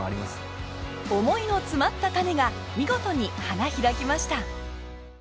思いの詰まったタネが見事に花開きました。